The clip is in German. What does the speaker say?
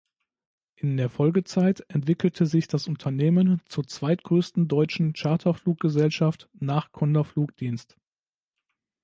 In der Folgezeit entwickelte sich das Unternehmen zur zweitgrößten deutschen Charterfluggesellschaft nach "Condor Flugdienst".